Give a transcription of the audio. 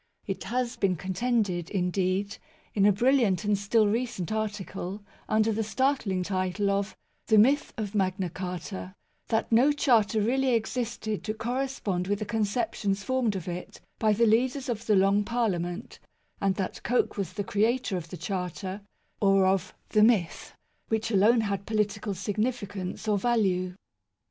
It has been contended, indeed, in a brilliant and still recent article, under the startling title of " The Myth of Magna Carta " that no Charter really existed to correspond with the conceptions formed of it by the leaders of the Long Parliament ; and that Coke was the creator of the Charter, or of the " Myth " which alone had political significance or value.